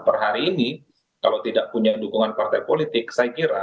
per hari ini kalau tidak punya dukungan partai politik saya kira